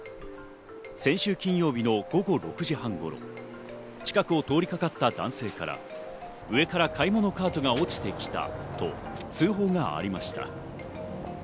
先週金曜日の午後６時半頃、近くを通りかかった男性から上から買い物カートが落ちてきたと通報がありました。